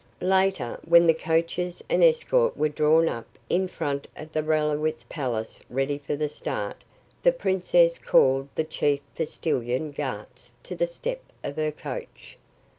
Later, when the coaches and escort were drawn up in front of the Rallowitz palace ready for the start, the princess called the chief postillion, Gartz, to the step of her coach.